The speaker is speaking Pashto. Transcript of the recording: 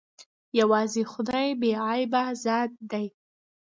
يوازې خداى بې عيبه ذات ديه.